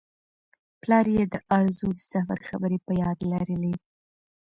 پلار یې د ارزو د سفر خبرې په یاد لرلې.